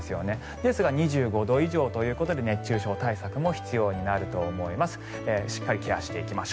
ですが、２５度以上ということで熱中症対策も必要になると思います。